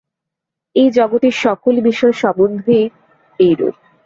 এই জগতের সকল বিষয় সম্বন্ধেই এইরূপ।